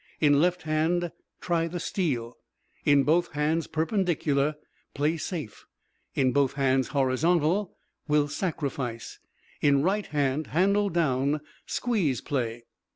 "In left hand, try the steal. "In both hands, perpendicular, play safe. "In both hands, horizontal, will sacrifice. "In right hand, handle down, squeeze play."